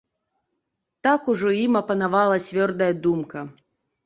Так ужо ім апанавала цвёрдая думка.